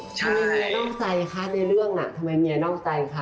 ใช่เมียนอกใจคะในเรื่องน่ะทำไมเมียนอกใจคะ